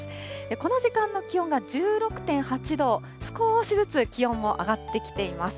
この時間の気温が１６．８度、少しずつ気温も上がってきています。